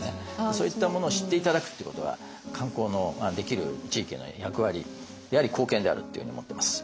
そういったものを知って頂くっていうことは観光のできる地域の役割であり貢献であるっていうふうに思ってます。